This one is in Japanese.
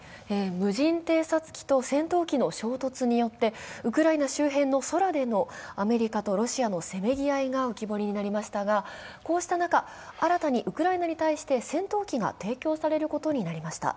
無人偵察機と戦闘機の衝突によってウクライナ周辺の空でもアメリカとロシアのせめぎ合いが浮き彫りになりましたがこうした中、新たにウクライナに対して戦闘機が提供されることになりました。